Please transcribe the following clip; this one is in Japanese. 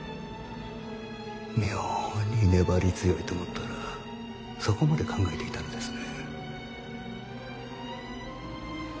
妙に粘り強いと思ったらそこまで考えていたのですね。